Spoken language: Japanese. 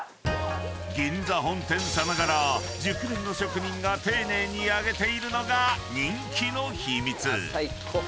［「銀座本店」さながら熟練の職人が丁寧に揚げているのが人気の秘密］